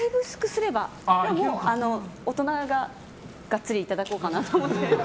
でも、大人がガッツリいただこうかなと思って。